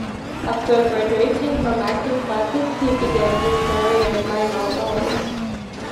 After graduating from acting classes, he began his career in minor roles.